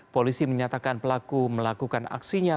polisi menyatakan pelaku melakukan aksinya